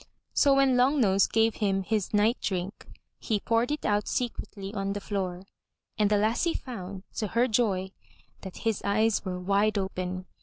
So, when Long nose gave him his night drink, he poured it out secretly on the floor, and the lassie found, to her joy that his eyes were wide open.